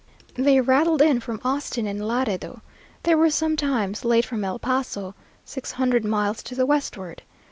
They rattled in from Austin and Laredo. They were sometimes late from El Paso, six hundred miles to the westward.